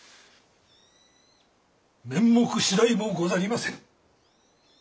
面目次第もござりませぬ。